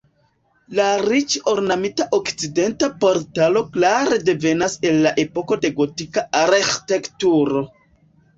La riĉe ornamita okcidenta portalo klare devenas el la epoko de gotika arĥitekturo.